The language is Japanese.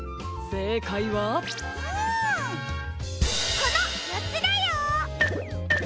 このよっつだよ！